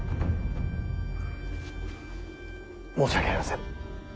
申し訳ありません。